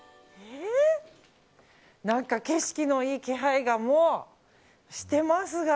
何か景色のいい気配がもうしてますが。